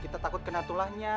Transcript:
kita takut kena tulangnya